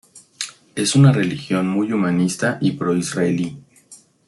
Es una religión muy humanista y pro-israelí.